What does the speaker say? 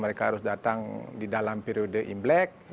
mereka harus datang di dalam periode in black